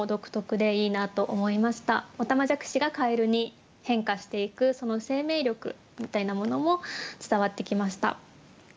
おたまじゃくしがかえるに変化していくその生命力みたいなものも伝わってきました。